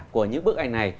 của những bức ảnh này